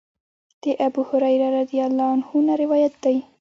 د ابوهريره رضی الله عنه نه روايت دی :